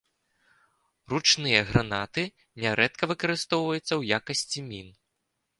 Ручныя гранаты нярэдка выкарыстоўваюцца ў якасці мін.